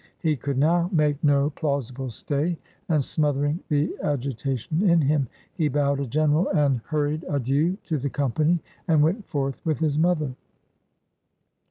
He could now make no plausible stay, and smothering the agitation in him, he bowed a general and hurried adieu to the company, and went forth with his mother.